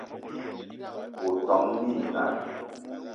O ton minal